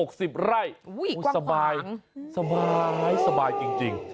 อุ้ยกว้างขวางสบายสบายสบายจริง